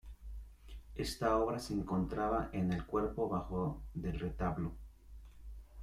Esta obra se encontraba en el cuerpo bajo del retablo.